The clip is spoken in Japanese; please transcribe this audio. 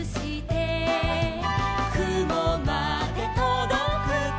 「くもまでとどくか」